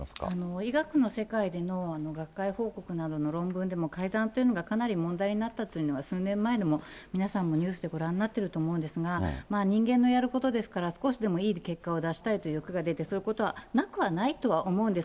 医学の世界での学会報告などの論文でも改ざんというのがかなり問題になったというのが、数年前にも皆さんもニュースでご覧になってると思うんですが、人間のやることですから、少しでもいい結果を出したいという欲が出て、そういうことはなくはないとは思うんです。